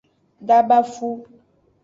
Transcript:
Dabafu.